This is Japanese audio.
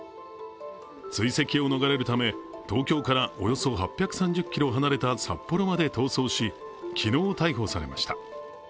追跡を逃れるため、東京からおよそ８３０ｋｍ離れた札幌まで逃走し、昨日、逮捕されました。